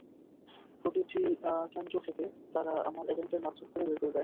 প্রতিটি কেন্দ্র থেকে তারা আমার এজেন্টদের মারধর করে বের করে দেয়।